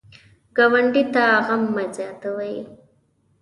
ګاونډي ته غم مه زیاتوئ